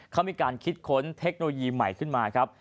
เขามีการคิดค้นเทคโนโลยีใหม่ขึ้นมาครับ